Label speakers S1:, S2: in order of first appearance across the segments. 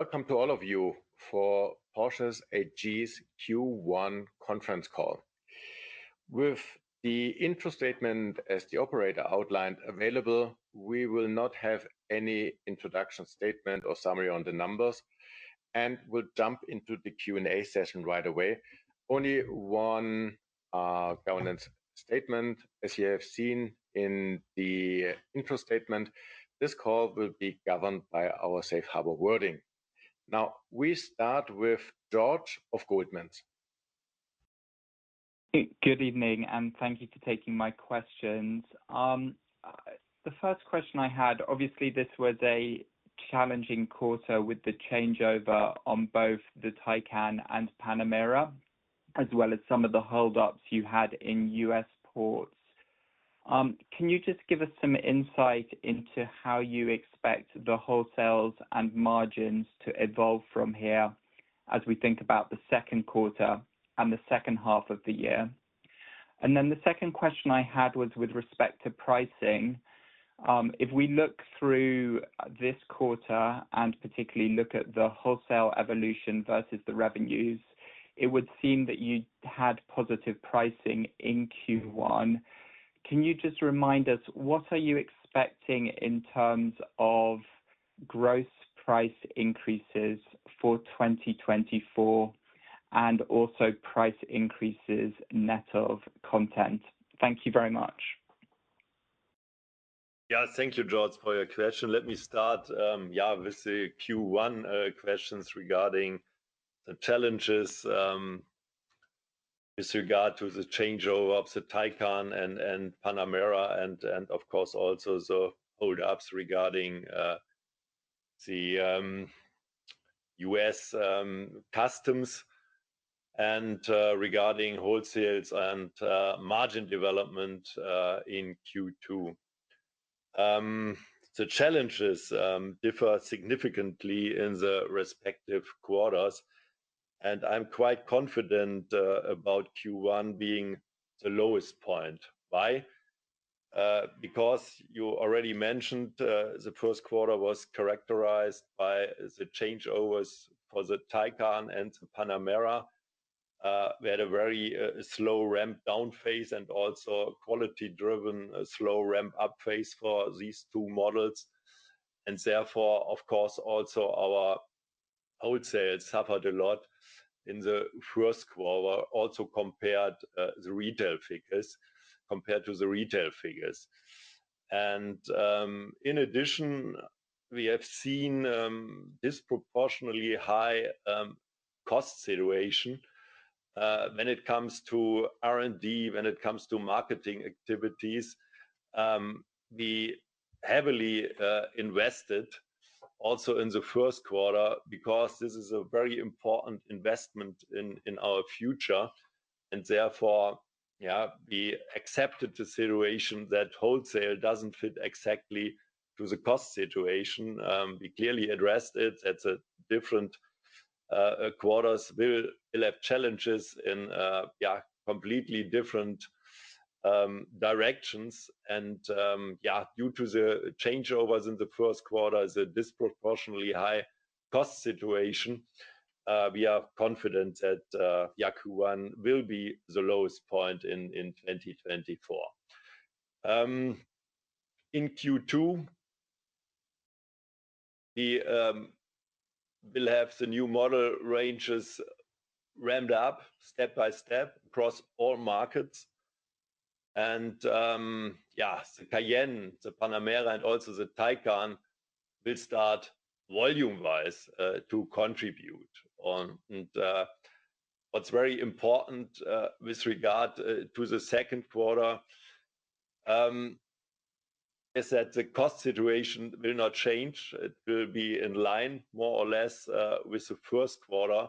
S1: Welcome to all of you for Porsche AG's Q1 Conference Call. With the intro statement, as the operator outlined, available, we will not have any introduction statement or summary on the numbers, and we'll jump into the Q&A session right away. Only one governance statement. As you have seen in the intro statement, this call will be governed by our Safe Harbor wording. Now, we start with George of Goldman.
S2: Good evening, and thank you for taking my questions. The first question I had, obviously, this was a challenging quarter with the changeover on both the Taycan and Panamera, as well as some of the hold-ups you had in U.S. ports. Can you just give us some insight into how you expect the wholesales and margins to evolve from here as we think about the second quarter and the second half of the year? And then the second question I had was with respect to pricing. If we look through this quarter, and particularly look at the wholesale evolution versus the revenues, it would seem that you had positive pricing in Q1. Can you just remind us, what are you expecting in terms of gross price increases for 2024, and also price increases net of content? Thank you very much.
S3: Yeah. Thank you, George, for your question. Let me start with the Q1 questions regarding the challenges with regard to the changeover of the Taycan and Panamera, and of course, also the hold-ups regarding the U.S. Customs and regarding wholesales and margin development in Q2. The challenges differ significantly in the respective quarters, and I'm quite confident about Q1 being the lowest point. Why? Because you already mentioned the first quarter was characterized by the changeovers for the Taycan and the Panamera. We had a very slow ramp-down phase and also quality-driven slow ramp-up phase for these two models, and therefore, of course, also our, I would say it suffered a lot in the first quarter, also compared the retail figures—compared to the retail figures. In addition, we have seen a disproportionately high cost situation when it comes to R&D, when it comes to marketing activities. We heavily invested also in the first quarter because this is a very important investment in our future, and therefore, yeah, we accepted the situation that wholesale doesn't fit exactly to the cost situation. We clearly addressed it. It's a different quarters. We will have challenges in yeah, completely different directions. And, yeah, due to the changeovers in the first quarter, the disproportionately high cost situation, we are confident that, yeah, Q1 will be the lowest point in 2024. In Q2, we will have the new model ranges ramped up step by step across all markets. Yeah, the Cayenne, the Panamera, and also the Taycan will start volume-wise to contribute on. And, what's very important with regard to the second quarter is that the cost situation will not change. It will be in line, more or less, with the first quarter,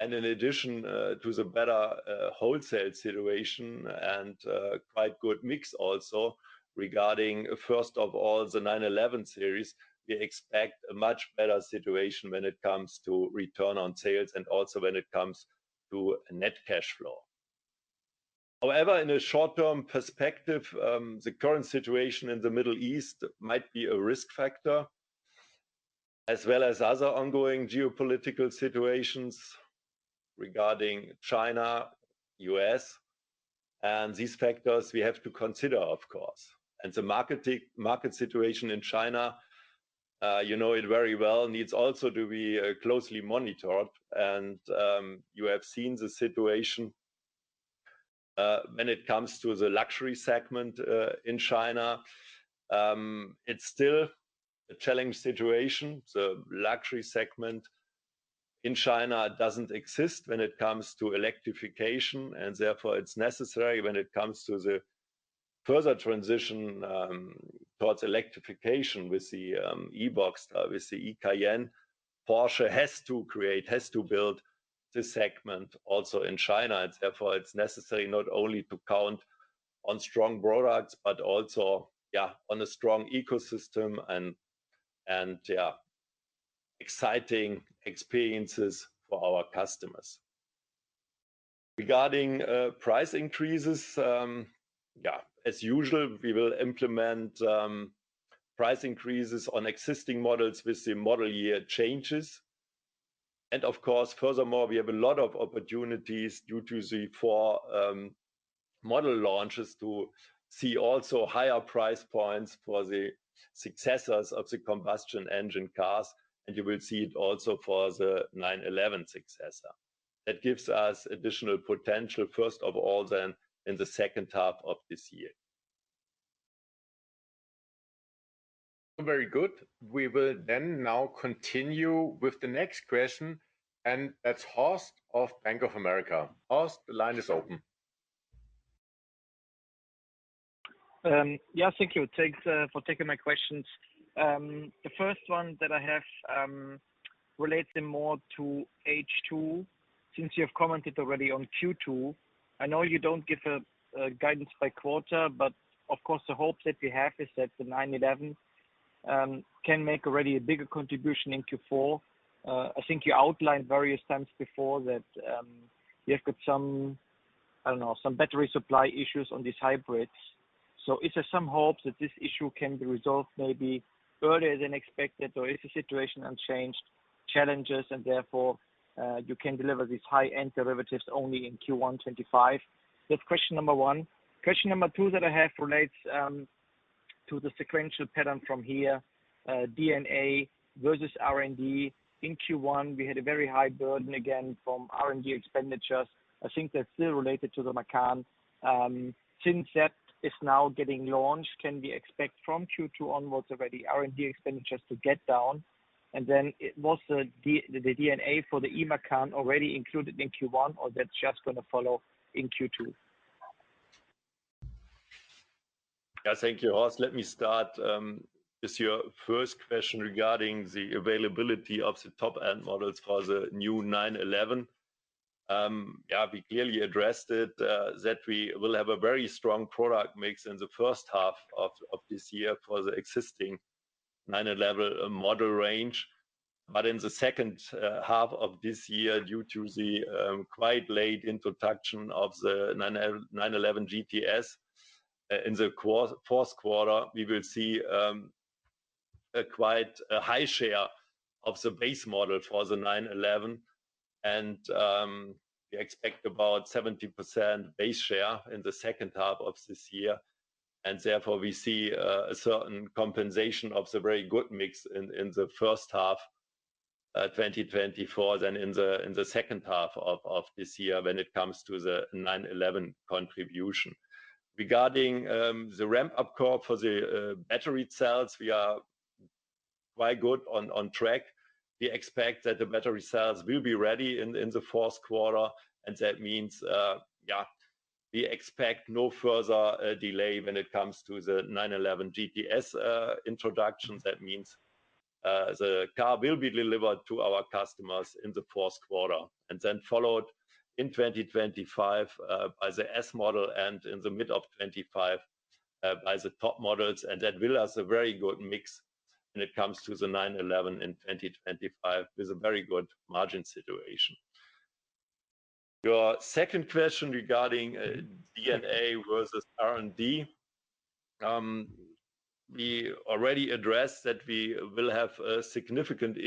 S3: and in addition to the better wholesale situation and quite good mix also. Regarding, first of all, the 911 series, we expect a much better situation when it comes to return on sales and also when it comes to net cash flow. However, in the short-term perspective, the current situation in the Middle East might be a risk factor, as well as other ongoing geopolitical situations regarding China, U.S. And these factors we have to consider, of course. And the market situation in China, you know it very well, needs also to be closely monitored. And you have seen the situation when it comes to the luxury segment in China. It's still a challenging situation. The luxury segment in China doesn't exist when it comes to electrification, and therefore, it's necessary when it comes to the further transition towards electrification with the e-Boxster with the Cayenne. Porsche has to create, has to build this segment also in China and therefore, it's necessary not only to count on strong products, but also on a strong ecosystem and exciting experiences for our customers.... Regarding price increases, as usual, we will implement price increases on existing models with the model year changes. Of course, furthermore, we have a lot of opportunities due to the four model launches to see also higher price points for the successors of the combustion engine cars, and you will see it also for the 911 successor. That gives us additional potential, first of all, then in the second half of this year.
S1: Very good. We will then now continue with the next question, and that's Horst of Bank of America. Horst, the line is open.
S4: Yeah, thank you. Thanks for taking my questions. The first one that I have relates more to H2, since you have commented already on Q2. I know you don't give a guidance by quarter, but of course, the hope that we have is that the 911 can make already a bigger contribution in Q4. I think you outlined various times before that you have got some, I don't know, some battery supply issues on these hybrids. So is there some hope that this issue can be resolved maybe earlier than expected, or is the situation unchanged, challenges, and therefore you can deliver these high-end derivatives only in Q1 2025? That's question number one. Question number two that I have relates to the sequential pattern from here, D&A versus R&D. In Q1, we had a very high burden again from R&D expenditures. I think that's still related to the Macan. Since that is now getting launched, can we expect from Q2 onwards already R&D expenditures to get down? And then was the D&A for the e-Macan already included in Q1, or that's just gonna follow in Q2?
S3: Yeah. Thank you, Horst. Let me start with your first question regarding the availability of the top-end models for the new 911. Yeah, we clearly addressed it that we will have a very strong product mix in the first half of this year for the existing 911 model range. But in the second half of this year, due to the quite late introduction of the 911 GTS in the fourth quarter, we will see a quite a high share of the base model for the 911, and we expect about 70% base share in the second half of this year. Therefore, we see a certain compensation of the very good mix in the first half 2024 than in the second half of this year when it comes to the 911 contribution. Regarding the ramp-up call for the battery cells, we are quite good on track. We expect that the battery cells will be ready in the fourth quarter, and that means, yeah, we expect no further delay when it comes to the 911 GTS introduction. That means the car will be delivered to our customers in the fourth quarter, and then followed in 2025 by the S model and in the mid of 2025 by the top models. That will have a very good mix when it comes to the 911 in 2025, with a very good margin situation. Your second question regarding D&A versus R&D. We already addressed that we will have a significant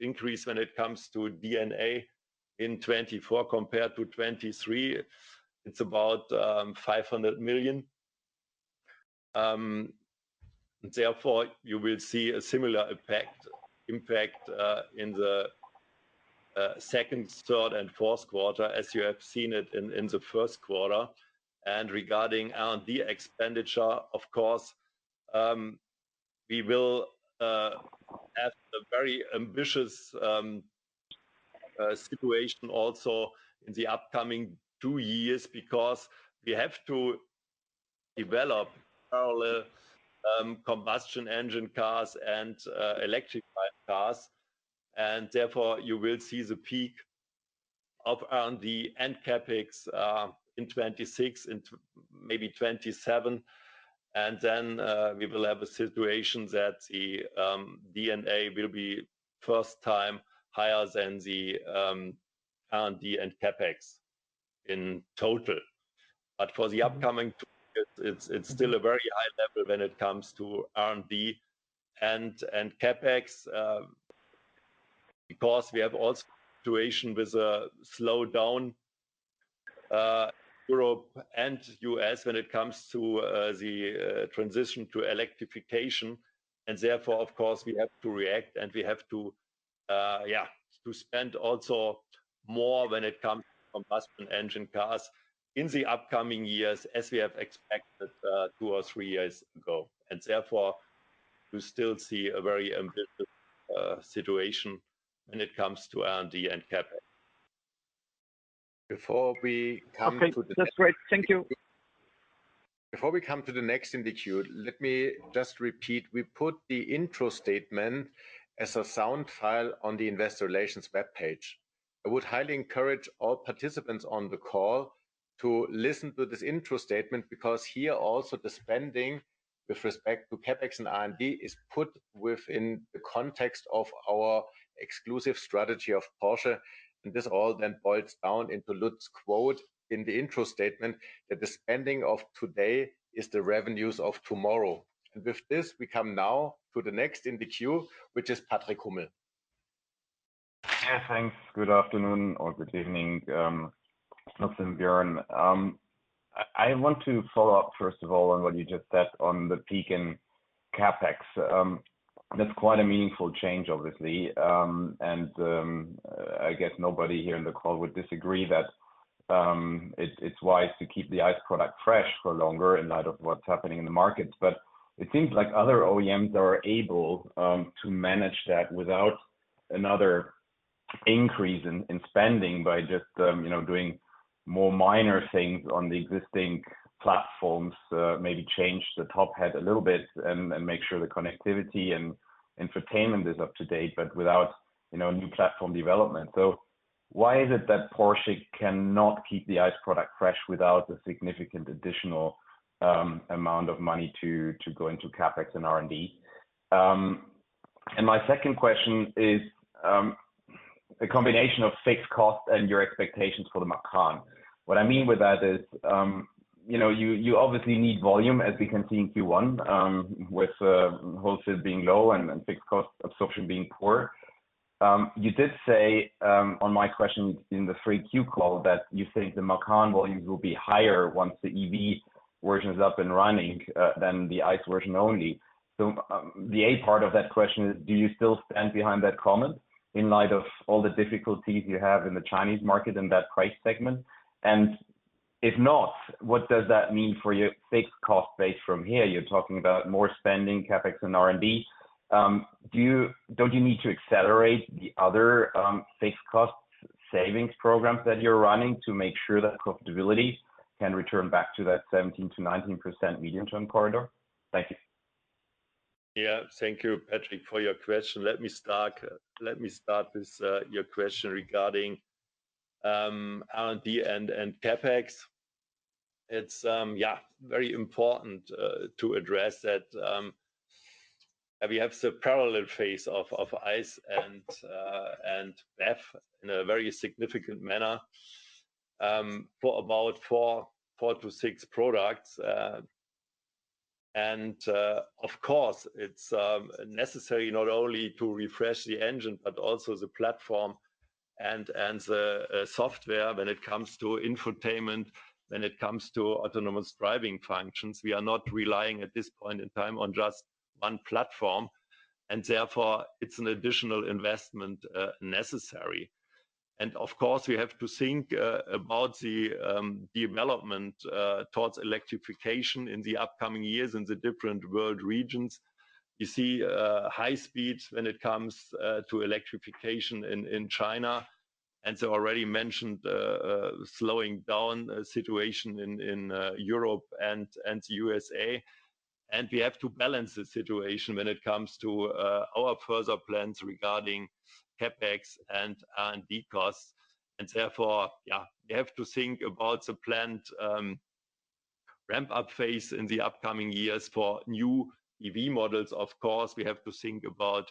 S3: increase when it comes to D&A in 2024 compared to 2023. It's about EUR 500 million. Therefore, you will see a similar effect, impact in the second, third, and fourth quarter, as you have seen it in the first quarter. Regarding R&D expenditure, of course, we will have a very ambitious situation also in the upcoming two years because we have to develop parallel combustion engine cars and electrified cars. Therefore, you will see the peak of R&D and CapEx in 2026, maybe 2027. And then, we will have a situation that the D&A will be first time higher than the R&D and CapEx in total. But for the upcoming, it's still a very high level when it comes to R&D and CapEx, because we have also situation with a slowdown, Europe and U.S. when it comes to the transition to electrification. And therefore, of course, we have to react, and we have to spend also more when it comes to combustion engine cars in the upcoming years, as we have expected two or three years ago. And therefore, we still see a very ambitious situation when it comes to R&D and CapEx.
S1: Before we come to the-
S4: Okay. That's great. Thank you.
S1: Before we come to the next in the queue, let me just repeat: we put the intro statement as a sound file on the investor relations webpage. I would highly encourage all participants on the call. to listen to this intro statement, because here also the spending with respect to CapEx and R&D is put within the context of our exclusive strategy of Porsche. This all then boils down into Lutz's quote in the intro statement, that the spending of today is the revenues of tomorrow. With this, we come now to the next in the queue, which is Patrick Hummel.
S5: Yeah, thanks. Good afternoon or good evening, Lutz and Björn. I want to follow up, first of all, on what you just said on the peak in CapEx. That's quite a meaningful change, obviously. And I guess nobody here in the call would disagree that it's wise to keep the ICE product fresh for longer in light of what's happening in the markets. But it seems like other OEMs are able to manage that without another increase in spending by just, you know, doing more minor things on the existing platforms. Maybe change the top hat a little bit and make sure the connectivity and entertainment is up to date, but without, you know, new platform development. So why is it that Porsche cannot keep the ICE product fresh without a significant additional amount of money to go into CapEx and R&D? And my second question is the combination of fixed costs and your expectations for the Macan. What I mean with that is, you know, you obviously need volume, as we can see in Q1, with wholesale being low and fixed cost absorption being poor. You did say, on my question in the 3Q call, that you think the Macan volumes will be higher once the EV version is up and running than the ICE version only. So, the A part of that question is: do you still stand behind that comment in light of all the difficulties you have in the Chinese market in that price segment? And if not, what does that mean for your fixed cost base from here? You're talking about more spending, CapEx and R&D. Don't you need to accelerate the other fixed cost savings programs that you're running to make sure that profitability can return back to that 17%-19% medium-term corridor? Thank you.
S3: Yeah. Thank you, Patrick, for your question. Let me start with your question regarding R&D and CapEx. It's yeah, very important to address that we have the parallel phase of ICE and EV in a very significant manner for about four to six products. And of course, it's necessary not only to refresh the engine, but also the platform and the software when it comes to infotainment, when it comes to autonomous driving functions. We are not relying at this point in time on just one platform, and therefore, it's an additional investment necessary. And of course, we have to think about the development towards electrification in the upcoming years in the different world regions. You see, high speeds when it comes to electrification in China, and so already mentioned, slowing down the situation in Europe and the USA. And we have to balance the situation when it comes to our further plans regarding CapEx and R&D costs. And therefore, yeah, we have to think about the planned ramp-up phase in the upcoming years for new EV models. Of course, we have to think about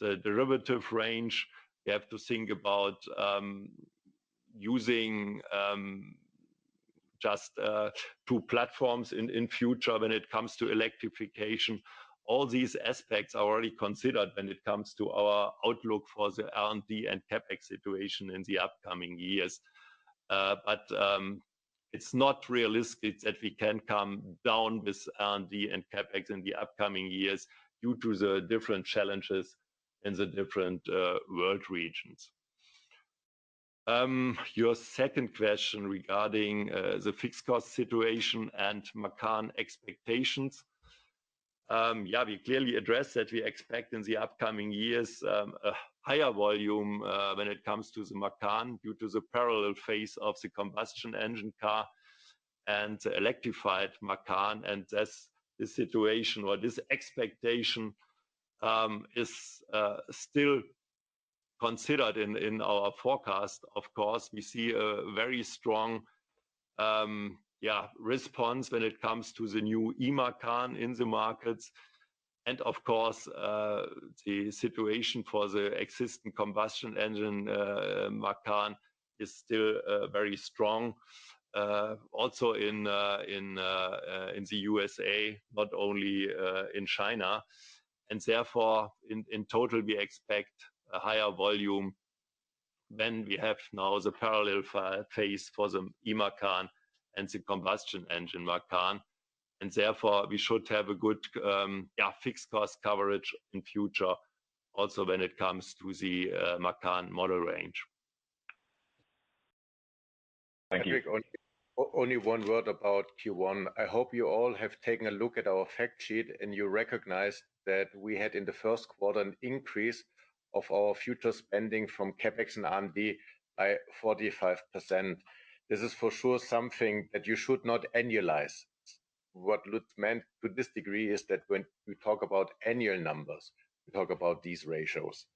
S3: the derivative range. We have to think about using just two platforms in future when it comes to electrification. All these aspects are already considered when it comes to our outlook for the R&D and CapEx situation in the upcoming years. But it's not realistic that we can come down with R&D and CapEx in the upcoming years due to the different challenges in the different world regions. Your second question regarding the fixed cost situation and Macan expectations. Yeah, we clearly addressed that we expect in the upcoming years a higher volume when it comes to the Macan, due to the parallel phase of the combustion engine car and the electrified Macan. And as the situation or this expectation is still considered in our forecast, of course, we see a very strong yeah response when it comes to the new e-Macan in the markets. And of course, the situation for the existing combustion engine Macan is still very strong also in the USA, not only in China. And therefore, in total, we expect a higher volume than we have now as a parallel phase for the e-Macan and the combustion engine Macan. And therefore, we should have a good, yeah, fixed cost coverage in future, also when it comes to the Macan model range.
S5: Thank you.
S1: Only one word about Q1. I hope you all have taken a look at our fact sheet, and you recognize that we had, in the first quarter, an increase of our future spending from CapEx and R&D by 45%. This is for sure something that you should not annualize what Lutz meant to this degree is that when we talk about annual numbers, we talk about these ratios.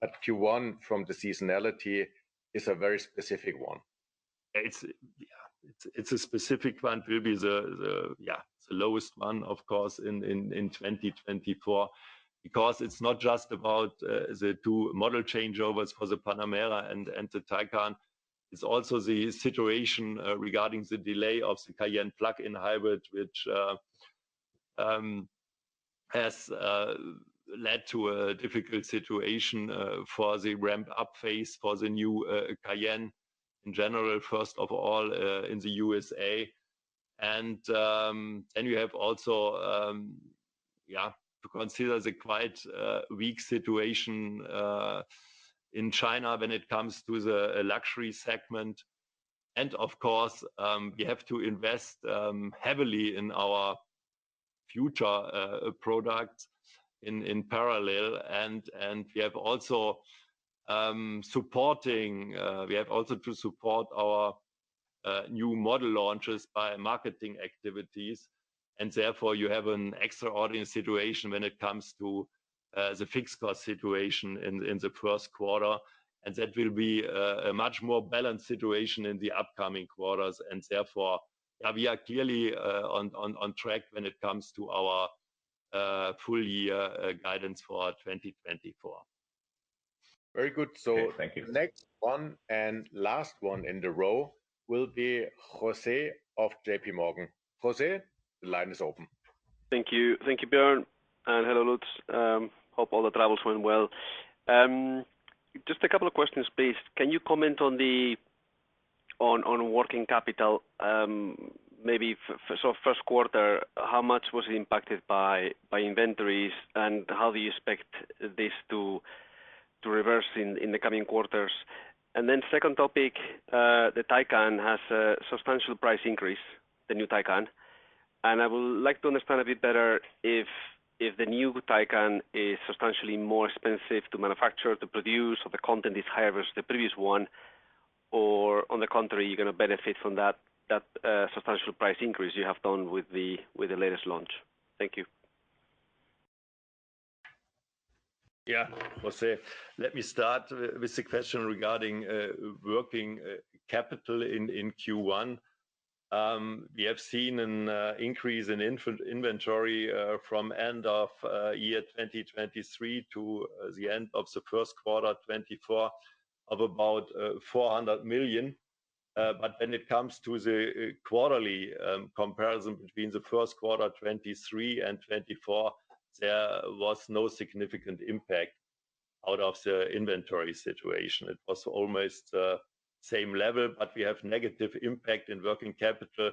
S1: But Q1, from the seasonality, is a very specific one.
S3: It's a specific one. Maybe it's the lowest one, of course, in 2024. Because it's not just about the two model changeovers for the Panamera and the Taycan, it's also the situation regarding the delay of the Cayenne plug-in hybrid, which has led to a difficult situation for the ramp-up phase for the new Cayenne in general, first of all, in the USA. And you have also to consider the quite weak situation in China when it comes to the luxury segment. And of course, we have to invest heavily in our future products in parallel. And we have also supporting. We have also to support our new model launches by marketing activities, and therefore, you have an extraordinary situation when it comes to the fixed cost situation in the first quarter, and that will be a much more balanced situation in the upcoming quarters. And therefore, yeah, we are clearly on track when it comes to our full year guidance for 2024.
S1: Very good. So-
S5: Okay, thank you.
S1: Next one, and last one in the row, will be José of J.P. Morgan. José, the line is open.
S6: Thank you. Thank you, Björn, and hello, Lutz. Hope all the travels went well. Just a couple of questions, please. Can you comment on the working capital? So first quarter, how much was it impacted by inventories, and how do you expect this to reverse in the coming quarters? And then second topic, the Taycan has a substantial price increase, the new Taycan, and I would like to understand a bit better if the new Taycan is substantially more expensive to manufacture, to produce, or the content is higher versus the previous one, or on the contrary, you're gonna benefit from that substantial price increase you have done with the latest launch. Thank you.
S3: Yeah, José, let me start with the question regarding working capital in Q1. We have seen an increase in inventory from end of year 2023 to the end of the first quarter 2024, of about 400 million. But when it comes to the quarterly comparison between the first quarter 2023 and 2024, there was no significant impact out of the inventory situation. It was almost same level, but we have negative impact in working capital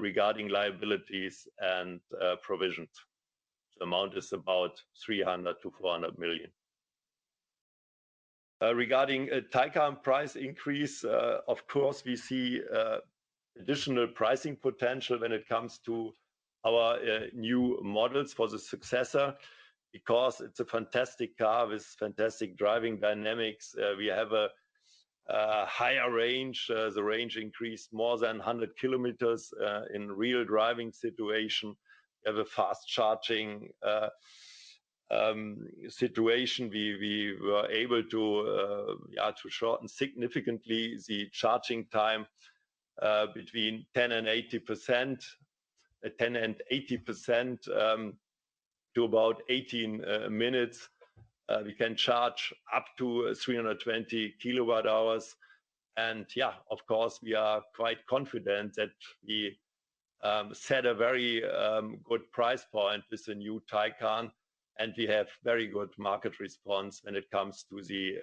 S3: regarding liabilities and provisions. The amount is about 300 million-400 million. Regarding a Taycan price increase, of course, we see additional pricing potential when it comes to our new models for the successor, because it's a fantastic car with fantastic driving dynamics. We have a higher range. The range increased more than 100 kilometers in real driving situation. We have a fast-charging situation. We were able to shorten significantly the charging time between 10%-80%, 10%-80%, to about 18 minutes. We can charge up to 320 kW, and of course, we are quite confident that we set a very good price point with the new Taycan, and we have very good market response when it comes to the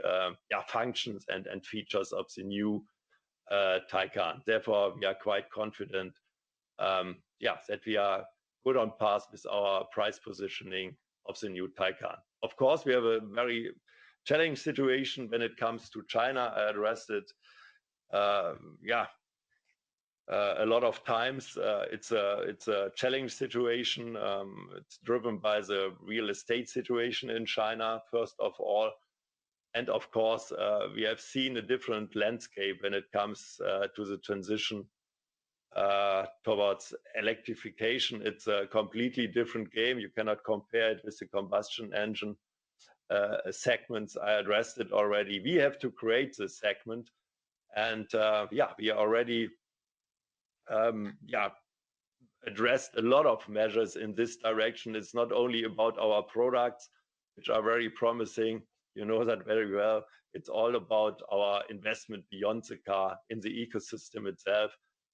S3: functions and features of the new Taycan. Therefore, we are quite confident that we are good on path with our price positioning of the new Taycan. Of course, we have a very challenging situation when it comes to China. I addressed it a lot of times. It's a challenging situation. It's driven by the real estate situation in China, first of all. And of course, we have seen a different landscape when it comes to the transition towards electrification. It's a completely different game. You cannot compare it with the combustion engine segments. I addressed it already. We have to create the segment, and we are already addressed a lot of measures in this direction. It's not only about our products, which are very promising, you know that very well. It's all about our investment beyond the car,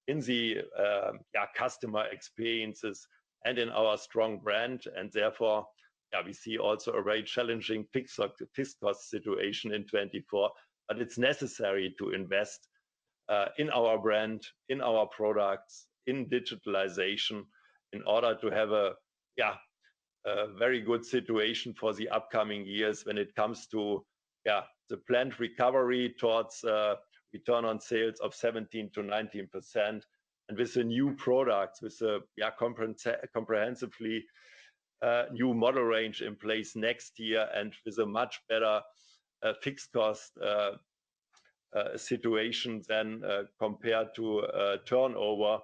S3: in the ecosystem itself, in the customer experiences, and in our strong brand. And therefore, we see also a very challenging fixed cost situation in 2024. But it's necessary to invest in our brand, in our products, in digitalization, in order to have a, yeah, a very good situation for the upcoming years when it comes to, yeah, the planned recovery towards return on sales of 17%-19%. And with the new products, with a, yeah, comprehensively new model range in place next year, and with a much better fixed cost situation than compared to turnover,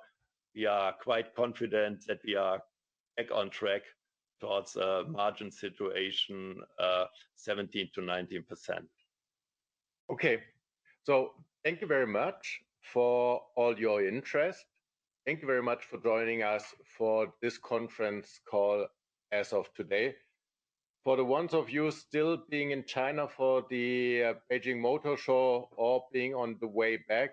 S3: we are quite confident that we are back on track towards a margin situation of 17%-19%. Okay. So thank you very much for all your interest. Thank you very much for joining us for this conference call as of today. For the ones of you still being in China for the Beijing Auto Show or being on the way back,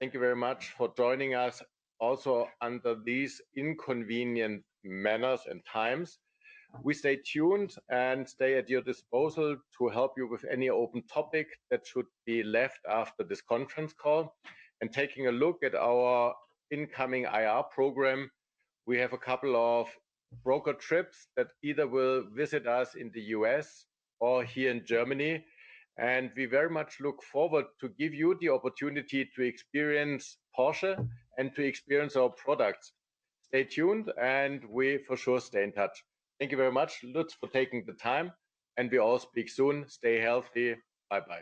S3: thank you very much for joining us also under these inconvenient manners and times. We stay tuned and stay at your disposal to help you with any open topic that should be left after this conference call. And taking a look at our incoming IR program, we have a couple of broker trips that either will visit us in the U.S. or here in Germany, and we very much look forward to give you the opportunity to experience Porsche and to experience our products. Stay tuned, and we for sure stay in touch.
S1: Thank you very much, Lutz, for taking the time, and we all speak soon. Stay healthy. Bye-bye.